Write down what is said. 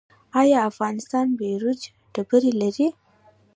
آیا افغانستان بیروج ډبرې لري؟